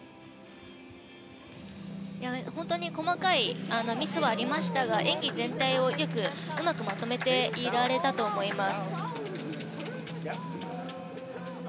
本当に細かいミスはありましたが演技全体をよく、うまくまとめていられたと思います。